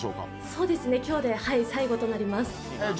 そうですね今日で最後となります。